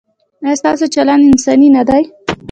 ایا ستاسو چلند انساني نه دی؟